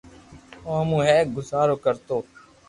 او مون ھي گزارو ڪرتو